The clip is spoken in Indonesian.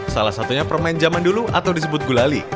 salah satunya permen zaman dulu atau disebut gulali